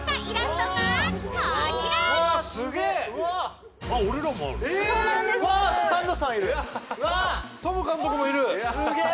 トム監督もいるすげえ！